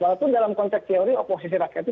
walaupun dalam konteks teori oposisi rakyat itu